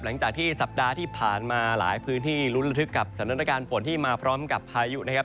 หลังจากที่สัปดาห์ที่ผ่านมาหลายพื้นที่ลุ้นระทึกกับสถานการณ์ฝนที่มาพร้อมกับพายุนะครับ